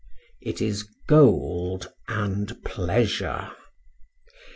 It is gold and pleasure.